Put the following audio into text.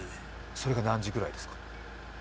それが何時くらいですか。